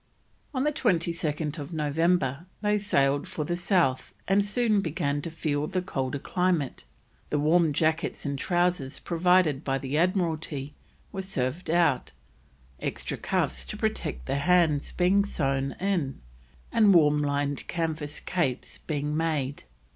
On 22nd November they sailed for the south, and soon began to feel the colder climate; the warm jackets and trousers provided by the Admiralty were served out, extra cuffs to protect the hands being sewn on, and warmly lined canvas capes being made.